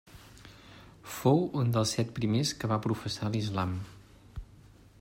Fou un dels set primers que va professar l'islam.